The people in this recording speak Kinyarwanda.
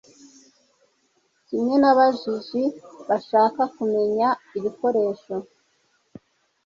Kimwe nababaji bashaka kumenya ibikoresho